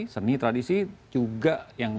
seni tradisi juga yang